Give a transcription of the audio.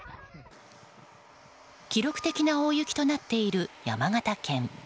記録的な大雪となっている山形県。